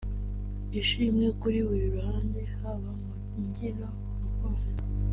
Ishimwe kuri buri ruhande haba mu mbyino gakondo